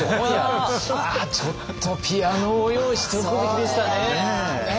ああちょっとピアノを用意しておくべきでしたね。